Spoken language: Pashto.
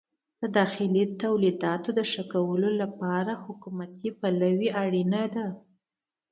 د داخلي تولیداتو د ښه کولو لپاره حکومتي پلوي اړینه ده.